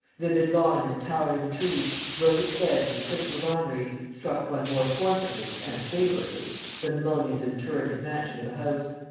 Vivid lawn and towering tree, brilliant beds and crystal vineries, struck one more forcibly (and favourably) than the mullioned and turreted mansion of a house.